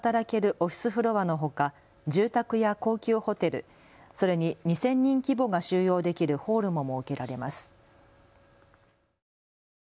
オフィスフロアのほか、住宅や高級ホテル、それに２０００人規模が収容できるホールも設けられます。